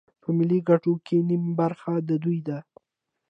په ملي ګټو کې نیمه برخه د دوی ده